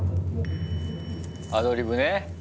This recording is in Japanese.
アドリブね。